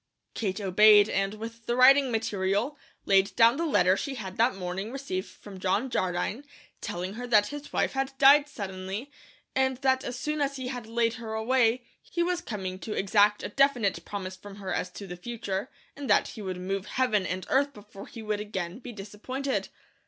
Kate obeyed, and with the writing material, laid down the letter she had that morning received from John Jardine, telling her that his wife had died suddenly, and that as soon as he had laid her away, he was coming to exact a definite promise from her as to the future; and that he would move Heaven and earth before he would again be disappointed.